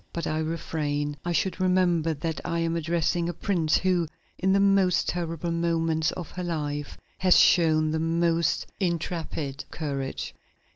But I refrain; I should remember that I am addressing a princess who, in the most terrible moments of her life, has shown the most intrepid courage."